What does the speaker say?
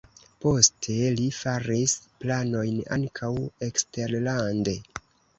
Poste li faris planojn ankaŭ eksterlande.